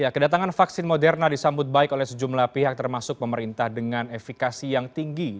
kedatangan vaksin moderna disambut baik oleh sejumlah pihak termasuk pemerintah dengan efikasi yang tinggi